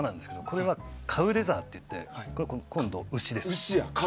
これはカウレザーといって今度は牛です。